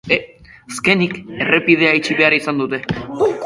Azkenik, errepidea itxi behar izan dute.